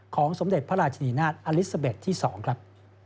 สมเด็จพระราชนีนาฏอลิซาเบสที่๒ครับ